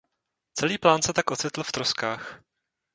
Celý plán se tak ocitl v troskách.